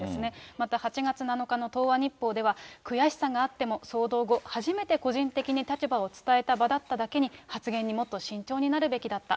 また８月７日の東亜日報では、悔しさがあっても騒動後、初めて個人的に立場を伝えた場だっただけに、発言にもっと慎重になるべきだった。